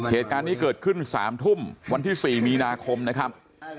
เหตุการณ์นี้เกิดขึ้น๓ทุ่มวันที่๔มีนาคมนะครับ